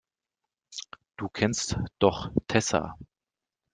Du kennst doch Tessa.